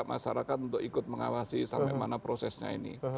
masyarakat untuk ikut mengawasi sampai mana prosesnya ini